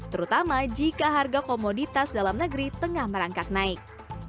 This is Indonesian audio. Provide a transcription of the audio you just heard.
terutama jika harga komoditas dalam negeri tengah merangkak naik